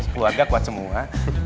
keluarga kuat semua